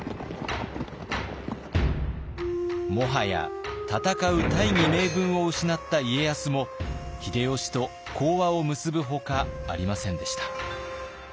もはや戦う大義名分を失った家康も秀吉と講和を結ぶほかありませんでした。